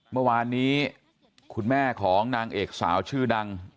เมื่อวานนี้คุณแม่ของนางเอกสาวชื่อดัง